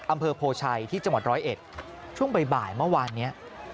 อำเภอโพชัยที่จังหวัดร้อยเอ็ดช่วงบ่ายเมื่อวานนี้